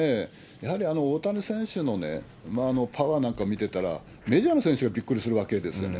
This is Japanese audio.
やはり大谷選手のパワーなんか見てたら、メジャーの選手がびっくりするわけですよね。